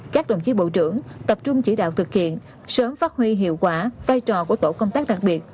các đồng chí bộ trưởng tập trung chỉ đạo thực hiện sớm phát huy hiệu quả vai trò của tổ công tác đặc biệt